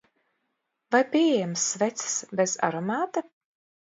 Vai pieejamas sveces bez aromāta?